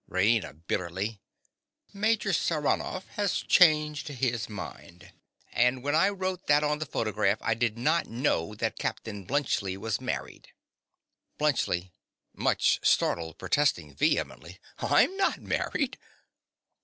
RAINA. (bitterly). Major Saranoff has changed his mind. And when I wrote that on the photograph, I did not know that Captain Bluntschli was married. BLUNTSCHLI. (much startled protesting vehemently). I'm not married.